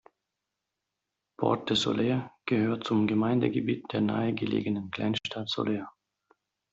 Port de Sóller gehört zum Gemeindegebiet der nahe gelegenen Kleinstadt Sóller.